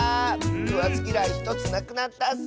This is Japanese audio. くわずぎらい１つなくなったッス。